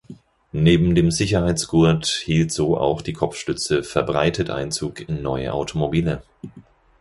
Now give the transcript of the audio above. Neben dem Sicherheitsgurt hielt so auch die Kopfstütze verbreitet Einzug in neue Automobile.